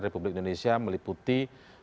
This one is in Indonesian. republik indonesia meliputi